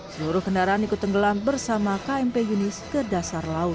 seluruh kendaraan ikut tenggelam bersama kmp yunis ke dasar laut